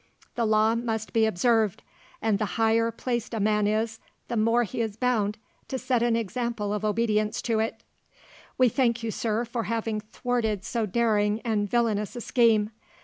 The law must be observed, and the higher placed a man is, the more is he bound to set an example of obedience to it. "We thank you, sir, for having thwarted so daring and villainous a scheme.